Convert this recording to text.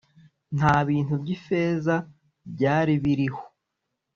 Nta bintu by’ifeza byari biriho